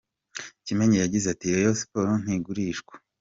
Kimenyi yagize ati: “ Rayon Sports ntigurishwa.